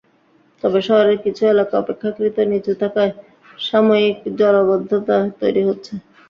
তবে শহরের কিছু এলাকা অপেক্ষাকৃত নিচু থাকায় সাময়িক জলাবদ্ধতা তৈরি হচ্ছে।